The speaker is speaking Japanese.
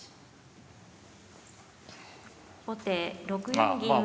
後手６四銀打。